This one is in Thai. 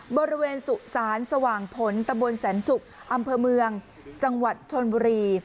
บริเวณสุสานสว่างผลตะบนแสนศุกร์อำเภอเมืองจังหวัดชนบุรี